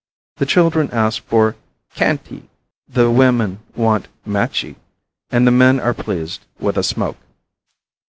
The children ask for "canty," the women want "matchi," and the men are pleased with a "smoke."